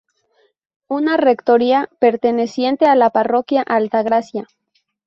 Una Rectoría perteneciente a la Parroquia Altagracia.